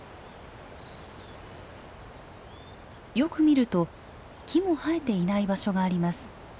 よく見ると木も生えていない場所があります。